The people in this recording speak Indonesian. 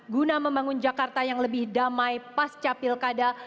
guna membangun jakarta yang lebih damai pas capil kada